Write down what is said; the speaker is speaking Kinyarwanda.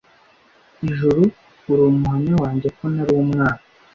ijuru uri umuhamya wanjye ko nari umwana